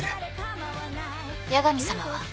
八神さまは？